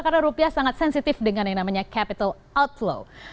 karena rupiah sangat sensitif dengan yang namanya capital outflow